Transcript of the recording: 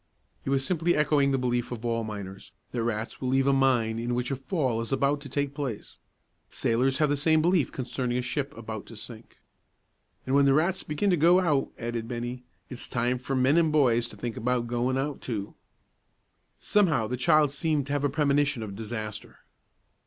He was simply echoing the belief of all miners, that rats will leave a mine in which a fall is about to take place. Sailors have the same belief concerning a ship about to sink. "An' when the rats begin to go out," added Bennie, "it's time for men an' boys to think about goin' out too." Somehow, the child seemed to have a premonition of disaster.